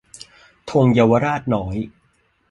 ธงเยาวราชน้อย